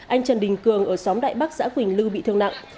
anh trần đình cường ở xóm đại bắc xã quỳnh lưu bị thương nặng